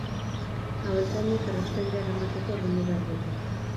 Abeltzainek erraustegira eramateko ordaindu behar dute.